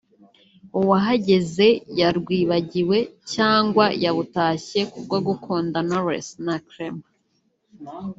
uwahageze yarwibagiwe cyangwa yabutashye ku bwo gukunda Knowless na Clement gusa